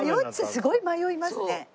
すごい迷いますね。